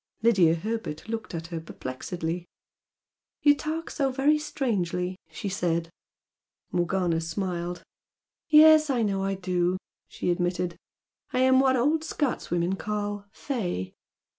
Lydia Herbert looked at her perplexedly. "You talk so very strangely!" she said. Morgana smiled. "Yes, I know I do!" she admitted "I am what old Scotswomen call 'fey'!